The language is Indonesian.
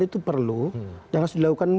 itu perlu jangan dilakukan